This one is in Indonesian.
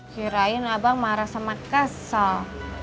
kirain abang marah sama kasal